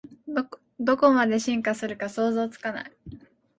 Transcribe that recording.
どこまで進化するか想像つかない